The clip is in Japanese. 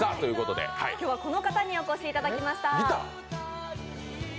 今日はこの方にお越しいただきました。